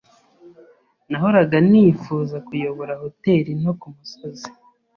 Nahoraga nifuza kuyobora hoteri nto kumusozi.